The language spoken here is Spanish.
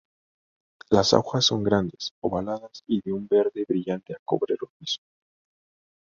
Las hojas son grandes, ovaladas y de un verde brillante a cobre rojizo.